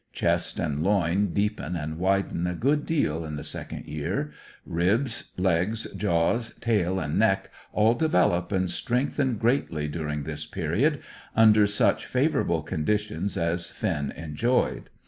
Chest and loin deepen and widen a good deal in the second year; ribs, legs, jaws, tail, and neck all develop and strengthen greatly during this period, under such favourable conditions as Finn enjoyed.